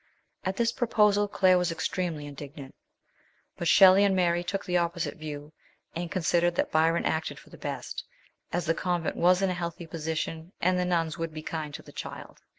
At this proposal Claire was extremely indignant ; but Shelley and Mary took the opposite view, and considered that Byron acted for the best, as the convent was in a healthy position, and the nuns would be kind to the child.